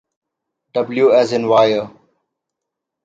W as in wire.